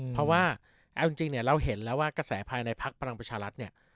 เพราะว่าเอาจริงเนี่ยเราเห็นแล้วว่ากระแสภายในพักพลังประชารัฐเนี่ย